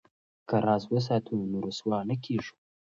که راز وساتو نو رسوا نه کیږو.